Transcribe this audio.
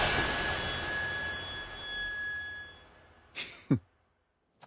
フッ。